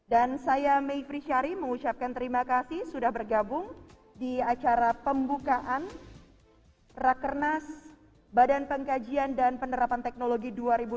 saya mayfri syari mengucapkan terima kasih sudah bergabung di acara pembukaan rakernas badan pengkajian dan penerapan teknologi dua ribu dua puluh